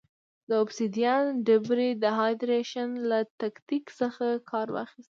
د اوبسیدیان ډبرې د هایدرېشن له تکتیک څخه کار واخیست.